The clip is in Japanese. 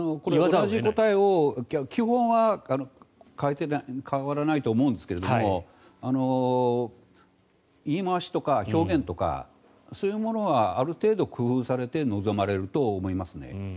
同じ答えを基本は変わらないと思うんですが言い回しとか表現とかそういうものはある程度、工夫されて臨まれると思いますね。